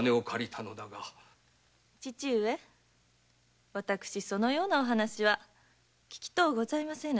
父上私そのようなお話は聞きとうございませぬ。